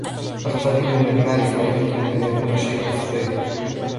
القليل من المعرفة يمكن أن يكون شيء خطير.